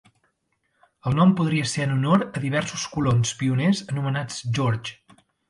El nom podria ser en honor a diversos colons pioners anomenats George.